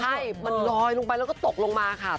ใช่มันลอยลงไปแล้วก็ตกลงมาค่ะ